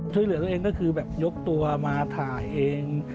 ช่วยเหลือตัวเองก็คือแบบยกตัวมาถ่ายเอง